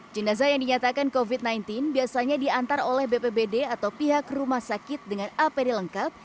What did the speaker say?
jenazah yang dinyatakan covid sembilan belas biasanya diantar oleh bpbd atau pihak rumah sakit dengan apd lengkap